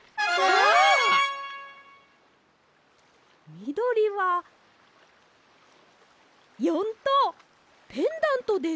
みどりは４とうペンダントですね。